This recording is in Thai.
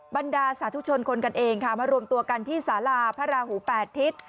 บรรดาสาธุชนคนกันเองค่ะมารวมตัวกันที่สาราพระราหูแปดทิศ